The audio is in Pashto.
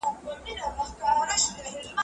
خو موږ نه سوای ورته ويلای .